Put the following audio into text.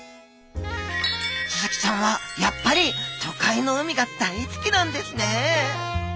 スズキちゃんはやっぱり都会の海が大好きなんですね